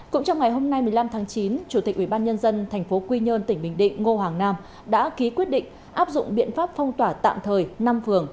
cũng trong ngày hôm nay một mươi năm tháng chín chủ tịch ubnd tp quy nhơn tỉnh bình định ngô hoàng nam đã ký quyết định áp dụng biện pháp phong tỏa tạm thời năm phường